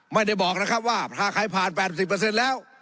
ไม่ได้บอกนะครับว่าถ้าใครผ่าน๘๐แล้ว